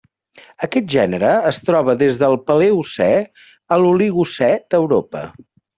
Aquest gènere es troba des del Paleocè a l'Oligocè d'Europa.